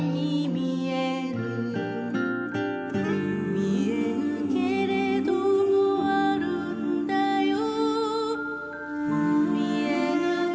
「見えぬけれどもあるんだよ」